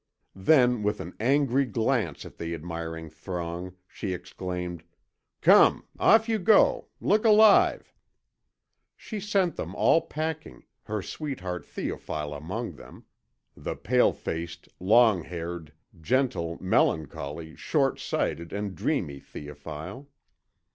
Then, with an angry glance at the admiring throng, she exclaimed: "Come, off you go! Look alive!" She sent them all packing, her sweetheart Théophile among them, the pale faced, long haired, gentle, melancholy, short sighted, and dreamy Théophile.